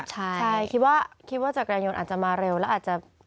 ใช่คิดว่าคิดว่าจักรยานยนต์อาจจะมาเร็วแล้วอาจจะ